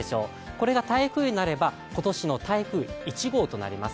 これが台風になれば、今年の台風１号となります。